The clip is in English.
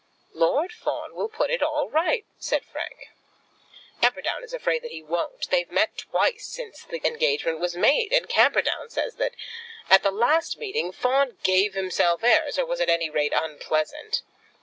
"Lord Fawn will put it all right," said Frank. "Camperdown is afraid that he won't. They've met twice since the engagement was made, and Camperdown says that, at the last meeting, Fawn gave himself airs, or was, at any rate, unpleasant.